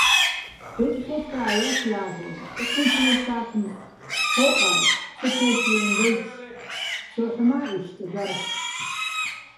ბეკხეთრა́ ჲასო̆ ჲა́ლ'ენო̆, ეჴუმფლეჼ სა́ქმ ჴო́ჸარ ცოთე́შლაჲნი̆ დაჲცი̆, ცოჰ̦ მა́ იშტ დარ.